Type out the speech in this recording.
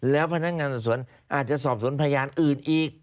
แล้วพนักงานสอบสวนอาจจะสอบสวนพยานอื่นอีก